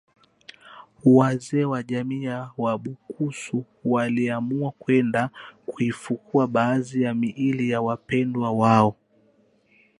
wazee wa jamii ya Wabukusu waliamua kwenda kuifukua baadhi ya miili ya wapendwa wao